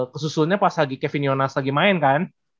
kesusunnya pas lagi kevin jonas lagi main kan